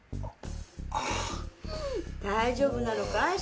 大丈夫なのかい？